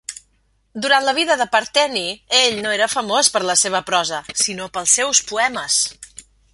Durant la vida de Parteni, ell no era famós per la seva prosa sinó pels seus poemes.